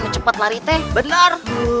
cepet lari teh bener